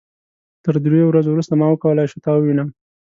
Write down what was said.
تر دریو ورځو وروسته ما وکولای شو تا ووينم.